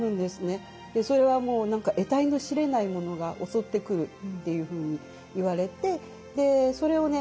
それは得体の知れないものが襲ってくるっていうふうに言われてそれをね